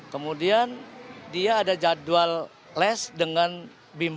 kemudian dia ada jadwal les dengan bim